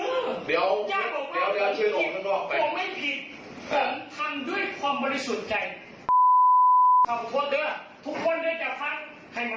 ออกไปตรงนอกแหละบอกว่าวะอะไรก็กลัว